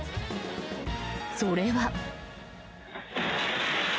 それは。